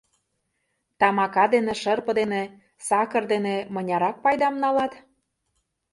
Тамака дене, шырпе дене, сакыр дене мынярак пайдам налат?